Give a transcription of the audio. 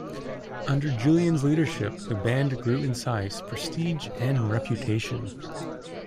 Under Julian's leadership the band grew in size, prestige, and reputation.